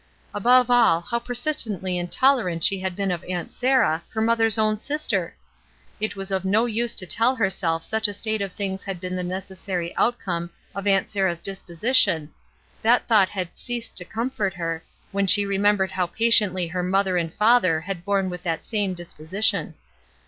Above all, how persistently intolerant she had been of Aunt Sarah, her mother's own sister! It was of no use to tell herself that such a state of things had been the necessary outcome of Aunt Sarah's disposition; that thought had ceased to comfort her, when she remembered how patiently her mother and father had borne with that same disposition.